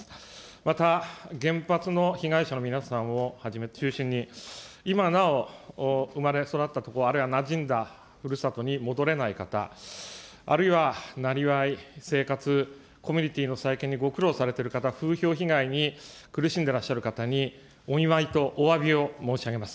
また、原発の被害者の皆さんをはじめ、中心に、今なお生まれ育った所、あるいはなじんだふるさとに戻れない方、あるいは生業、生活、コミュニティーの再建にご苦労されている方、風評被害に苦しんでいらっしゃる方に、お見舞いとおわびを申し上げます。